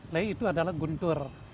lei itu adalah guntur